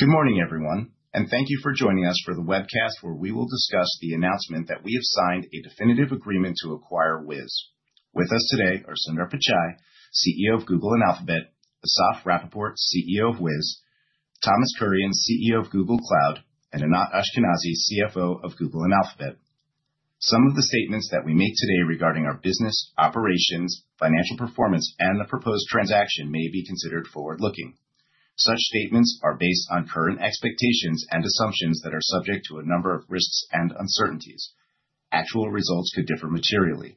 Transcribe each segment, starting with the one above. Good morning, everyone, and thank you for joining us for the webcast where we will discuss the announcement that we have signed a definitive agreement to acquire Wiz. With us today are Sundar Pichai, CEO of Google and Alphabet; Assaf Rappaport, CEO of Wiz; Thomas Kurian, CEO of Google Cloud; and Anat Ashkenazi, CFO of Google and Alphabet. Some of the statements that we make today regarding our business, operations, financial performance, and the proposed transaction may be considered forward-looking. Such statements are based on current expectations and assumptions that are subject to a number of risks and uncertainties. Actual results could differ materially.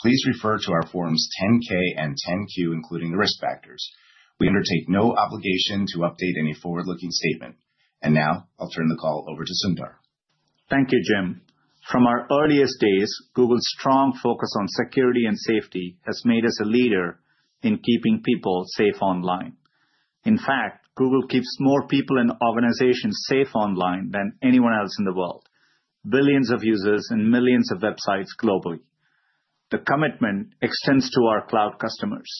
Please refer to our Forms 10-K and 10-Q, including the risk factors. We undertake no obligation to update any forward-looking statement. I will turn the call over to Sundar. Thank you, Jim. From our earliest days, Google's strong focus on security and safety has made us a leader in keeping people safe online. In fact, Google keeps more people and organizations safe online than anyone else in the world—billions of users and millions of websites globally. The commitment extends to our cloud customers.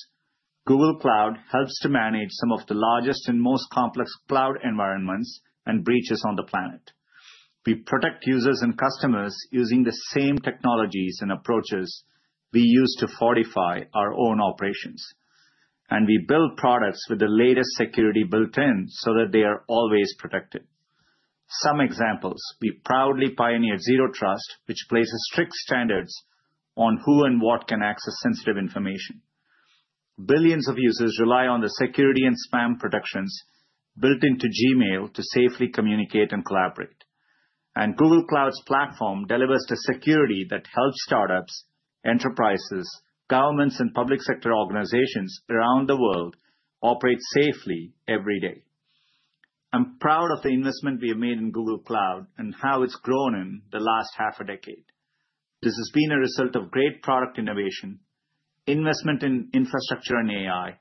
Google Cloud helps to manage some of the largest and most complex cloud environments and breaches on the planet. We protect users and customers using the same technologies and approaches we use to fortify our own operations. We build products with the latest security built in so that they are always protected. Some examples: we proudly pioneered Zero Trust, which places strict standards on who and what can access sensitive information. Billions of users rely on the security and spam protections built into Gmail to safely communicate and collaborate. Google Cloud's platform delivers the security that helps startups, enterprises, governments, and public sector organizations around the world operate safely every day. I'm proud of the investment we have made in Google Cloud and how it's grown in the last half a decade. This has been a result of great product innovation, investment in infrastructure and AI,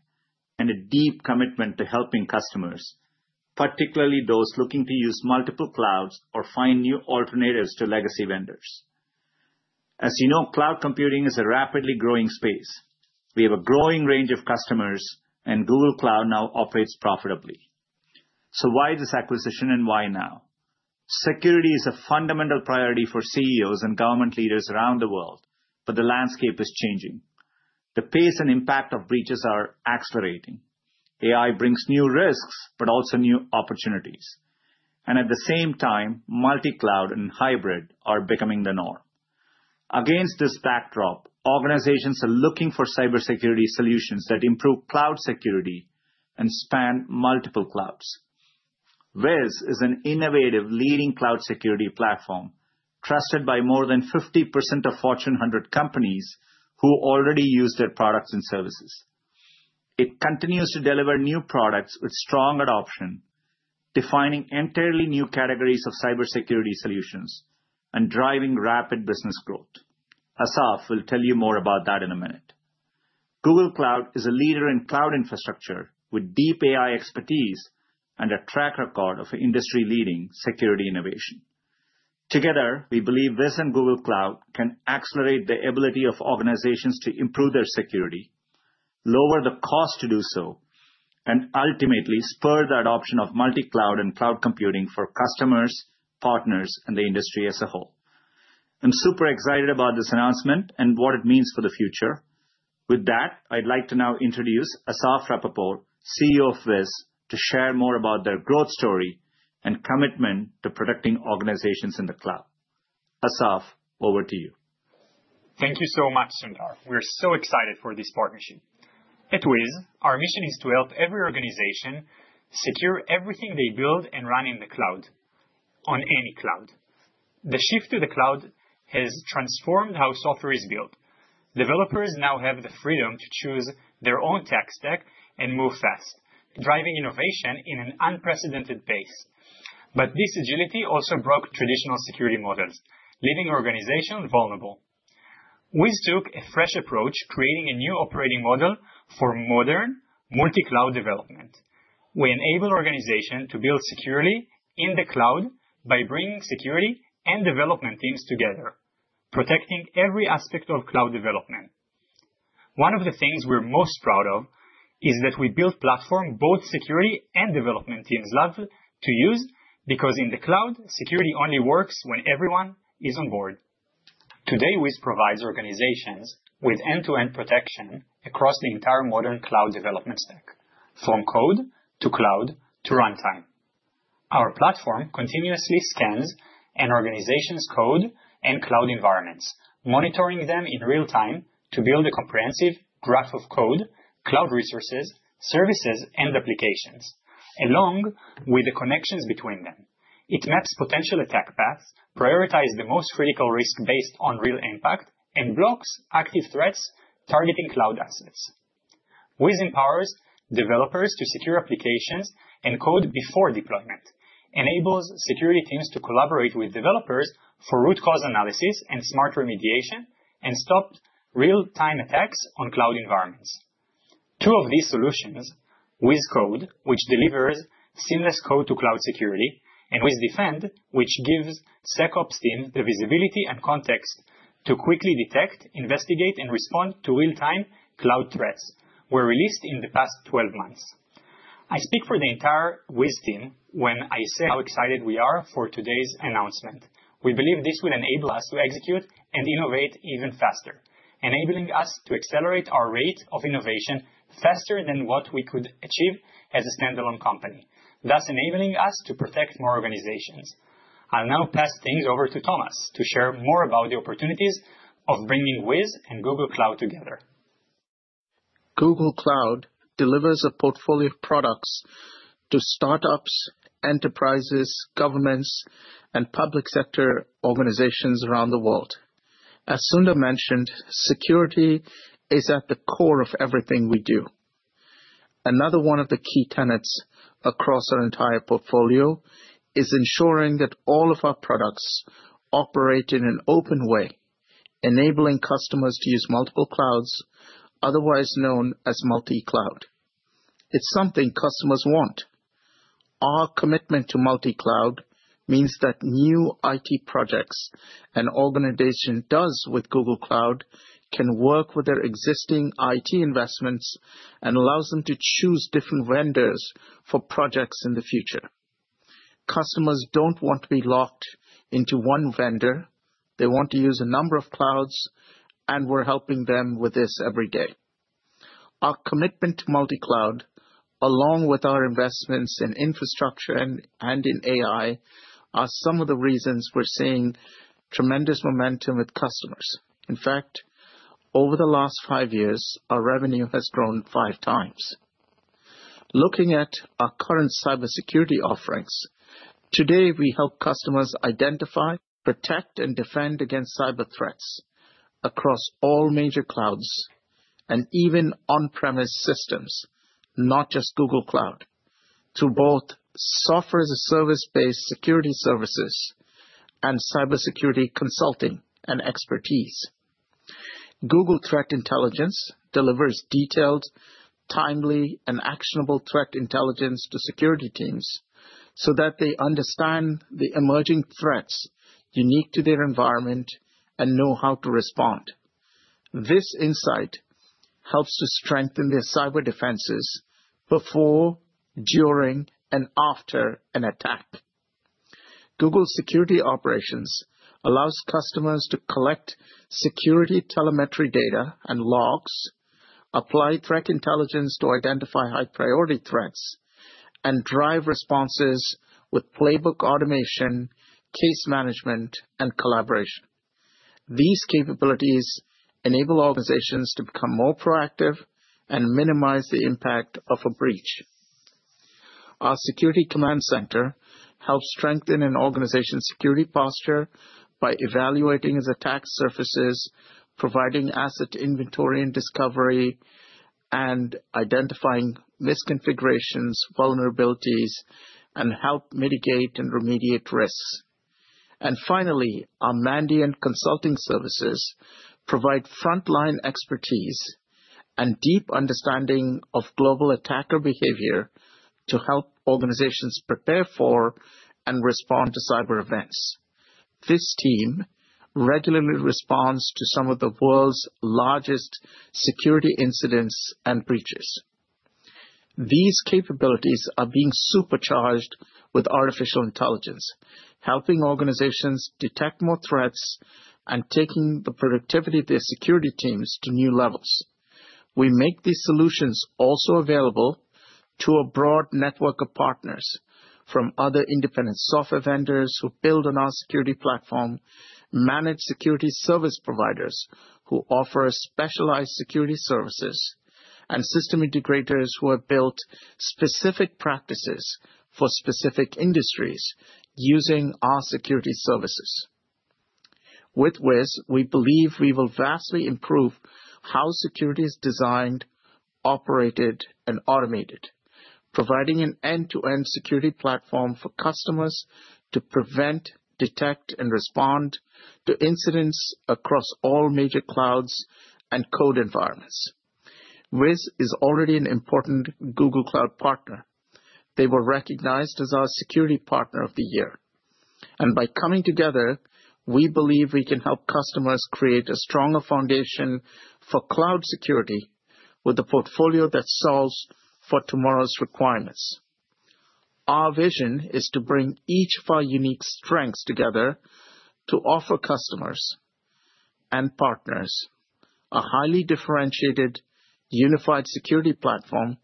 and a deep commitment to helping customers, particularly those looking to use multiple clouds or find new alternatives to legacy vendors. As you know, cloud computing is a rapidly growing space. We have a growing range of customers, and Google Cloud now operates profitably. Why this acquisition, and why now? Security is a fundamental priority for CEOs and government leaders around the world, but the landscape is changing. The pace and impact of breaches are accelerating. AI brings new risks, but also new opportunities. At the same time, multi-cloud and hybrid are becoming the norm. Against this backdrop, organizations are looking for cybersecurity solutions that improve cloud security and span multiple clouds. Wiz is an innovative, leading cloud security platform trusted by more than 50% of Fortune 100 companies who already use their products and services. It continues to deliver new products with strong adoption, defining entirely new categories of cybersecurity solutions and driving rapid business growth. Assaf will tell you more about that in a minute. Google Cloud is a leader in cloud infrastructure with deep AI expertise and a track record of industry-leading security innovation. Together, we believe Wiz and Google Cloud can accelerate the ability of organizations to improve their security, lower the cost to do so, and ultimately spur the adoption of multi-cloud and cloud computing for customers, partners, and the industry as a whole. I'm super excited about this announcement and what it means for the future. With that, I'd like to now introduce Assaf Rappaport, CEO of Wiz, to share more about their growth story and commitment to protecting organizations in the cloud. Assaf, over to you. Thank you so much, Sundar. We're so excited for this partnership. At Wiz, our mission is to help every organization secure everything they build and run in the cloud, on any cloud. The shift to the cloud has transformed how software is built. Developers now have the freedom to choose their own tech stack and move fast, driving innovation at an unprecedented pace. This agility also broke traditional security models, leaving organizations vulnerable. Wiz took a fresh approach, creating a new operating model for modern multi-cloud development. We enable organizations to build securely in the Cloud by bringing security and development teams together, protecting every aspect of cloud development. One of the things we're most proud of is that we built a platform both security and development teams love to use because in the Cloud, security only works when everyone is on board. Today, Wiz provides organizations with end-to-end protection across the entire modern cloud development stack, from code to cloud to runtime. Our platform continuously scans an organization's code and cloud environments, monitoring them in real time to build a comprehensive graph of code, cloud resources, services, and applications, along with the connections between them. It maps potential attack paths, prioritizes the most critical risks based on real impact, and blocks active threats targeting cloud assets. Wiz empowers developers to secure applications and code before deployment, enables security teams to collaborate with developers for root cause analysis and smart remediation, and stops real-time attacks on cloud environments. Two of these solutions, Wiz Code, which delivers seamless code to cloud security, and Wiz Defend, which gives SecOps team the visibility and context to quickly detect, investigate, and respond to real-time cloud threats, were released in the past 12 months. I speak for the entire Wiz team when I say how excited we are for today's announcement. We believe this will enable us to execute and innovate even faster, enabling us to accelerate our rate of innovation faster than what we could achieve as a standalone company, thus enabling us to protect more organizations. I'll now pass things over to Thomas to share more about the opportunities of bringing Wiz and Google Cloud together. Google Cloud delivers a portfolio of products to startups, enterprises, governments, and public sector organizations around the world. As Sundar mentioned, security is at the core of everything we do. Another one of the key tenets across our entire portfolio is ensuring that all of our products operate in an open way, enabling customers to use multiple clouds, otherwise known as multi-cloud. It's something customers want. Our commitment to multi-cloud means that new IT projects an organization does with Google Cloud can work with their existing IT investments and allows them to choose different vendors for projects in the future. Customers don't want to be locked into one vendor. They want to use a number of clouds, and we're helping them with this every day. Our commitment to multi-cloud, along with our investments in infrastructure and in AI, are some of the reasons we're seeing tremendous momentum with customers. In fact, over the last five years, our revenue has grown five times. Looking at our current cybersecurity offerings, today we help customers identify, protect, and defend against cyber threats across all major clouds and even on-premise systems, not just Google Cloud, through both Software as a Service-based security services and cyber security consulting and expertise. Google Threat Intelligence delivers detailed, timely, and actionable threat intelligence to security teams so that they understand the emerging threats unique to their environment and know how to respond. This insight helps to strengthen their cyber defenses before, during, and after an attack. Google Security Operations allows customers to collect security telemetry data and logs, apply threat intelligence to identify high-priority threats, and drive responses with playbook automation, case management, and collaboration. These capabilities enable organizations to become more proactive and minimize the impact of a breach. Our Security Command Center helps strengthen an organization's security posture by evaluating its attack surfaces, providing asset inventory and discovery, and identifying misconfigurations, vulnerabilities, and help mitigate and remediate risks. Finally, our Mandiant Consulting Services provide frontline expertise and deep understanding of global attacker behavior to help organizations prepare for and respond to cyber events. This team regularly responds to some of the world's largest security incidents and breaches. These capabilities are being supercharged with artificial intelligence, helping organizations detect more threats and taking the productivity of their security teams to new levels. We make these solutions also available to a broad network of partners, from other independent software vendors who build on our security platform, managed security service providers who offer specialized security services, and system integrators who have built specific practices for specific industries using our security services. With Wiz, we believe we will vastly improve how security is designed, operated, and automated, providing an end-to-end security platform for customers to prevent, detect, and respond to incidents across all major clouds and code environments. Wiz is already an important Google Cloud Partner. They were recognized as our Security Partner of the Year. By coming together, we believe we can help customers create a stronger foundation for cloud security with a portfolio that solves for tomorrow's requirements. Our vision is to bring each of our unique strengths together to offer customers and partners a highly differentiated, unified security platform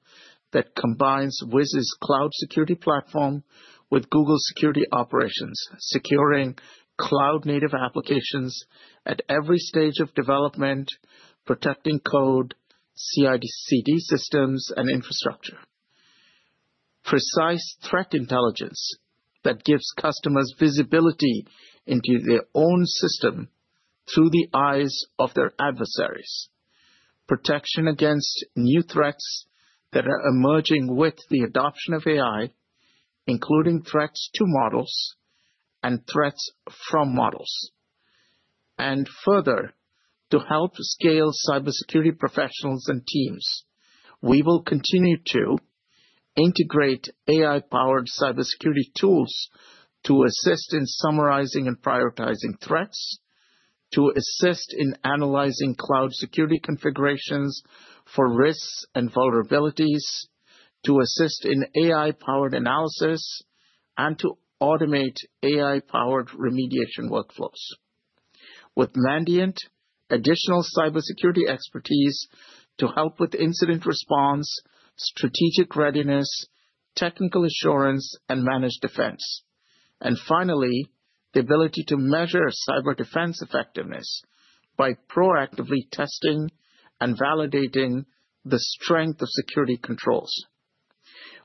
that combines Wiz's Cloud Security Platform with Google Security Operations, securing cloud-native applications at every stage of development, protecting code, CI/CD systems, and infrastructure. Precise threat intelligence that gives customers visibility into their own system through the eyes of their adversaries. Protection against new threats that are emerging with the adoption of AI, including threats to models and threats from models. Further, to help scale cybersecurity professionals and teams, we will continue to integrate AI-powered cybersecurity tools to assist in summarizing and prioritizing threats, to assist in analyzing Cloud Security configurations for risks and vulnerabilities, to assist in AI-powered analysis, and to automate AI-powered remediation workflows. With Mandiant, additional cybersecurity expertise to help with incident response, strategic readiness, technical assurance, and managed defense. Finally, the ability to measure cyber defense effectiveness by proactively testing and validating the strength of security controls.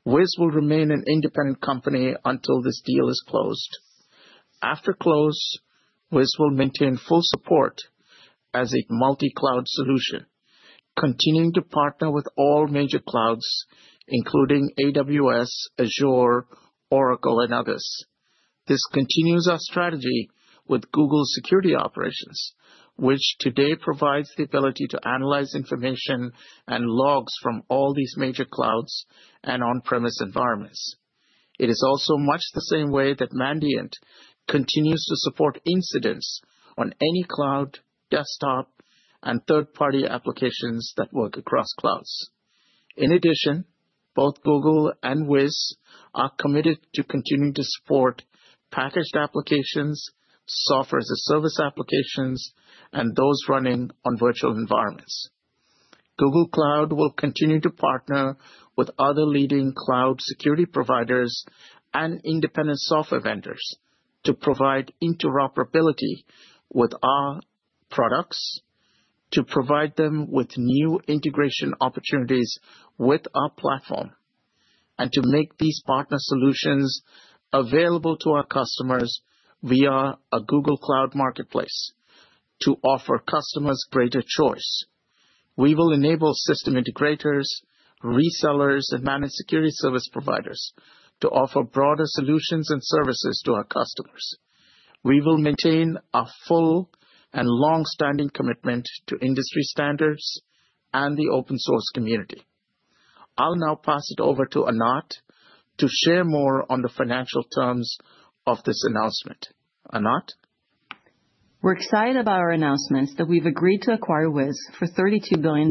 Wiz will remain an independent company until this deal is closed. After close, Wiz will maintain full support as a multi-cloud solution, continuing to partner with all major clouds, including AWS, Azure, Oracle, and others. This continues our strategy with Google Security Operations, which today provides the ability to analyze information and logs from all these major clouds and on-premise environments. It is also much the same way that Mandiant continues to support incidents on any cloud, desktop, and third-party applications that work across clouds. In addition, both Google and Wiz are committed to continuing to support packaged applications, Software as a Service applications, and those running on virtual environments. Google Cloud will continue to partner with other leading Cloud Security providers and independent software vendors to provide interoperability with our products, to provide them with new integration opportunities with our platform, and to make these partner solutions available to our customers via a Google Cloud Marketplace to offer customers greater choice. We will enable system integrators, resellers, and managed security service providers to offer broader solutions and services to our customers. We will maintain a full and long-standing commitment to industry standards and the open-source community. I'll now pass it over to Anat to share more on the financial terms of this announcement. Anat? We're excited about our announcement that we've agreed to acquire Wiz for $32 billion,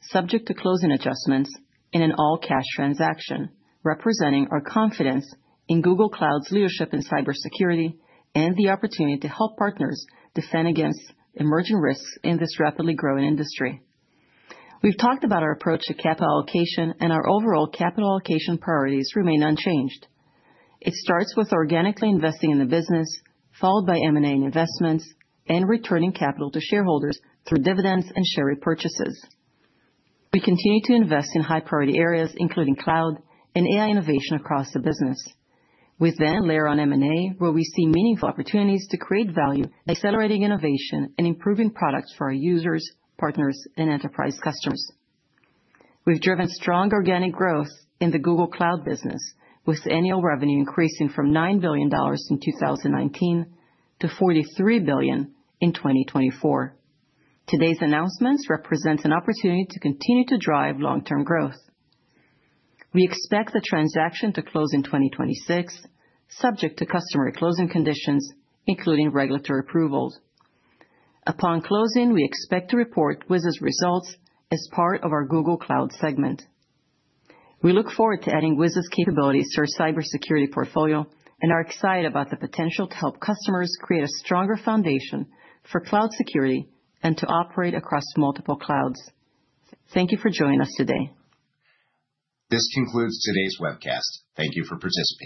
subject to closing adjustments in an all-cash transaction, representing our confidence in Google Cloud's leadership in cybersecurity and the opportunity to help partners defend against emerging risks in this rapidly growing industry. We've talked about our approach to capital allocation, and our overall capital allocation priorities remain unchanged. It starts with organically investing in the business, followed by M&A and investments, and returning capital to shareholders through dividends and share repurchases. We continue to invest in high-priority areas, including Cloud and AI innovation across the business. We then layer on M&A, where we see meaningful opportunities to create value, accelerating innovation and improving products for our users, partners, and enterprise customers. We've driven strong organic growth in the Google Cloud business, with annual revenue increasing from $9 billion in 2019 to $43 billion in 2024. Today's announcements represent an opportunity to continue to drive long-term growth. We expect the transaction to close in 2026, subject to customary closing conditions, including regulatory approvals. Upon closing, we expect to report Wiz's results as part of our Google Cloud segment. We look forward to adding Wiz's capabilities to our cybersecurity portfolio and are excited about the potential to help customers create a stronger foundation for cloud security and to operate across multiple clouds. Thank you for joining us today. This concludes today's webcast. Thank you for participating.